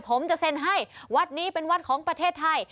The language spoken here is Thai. ผมจะเซ็นให้วัดนี้เป็นวัดของประเทศไทย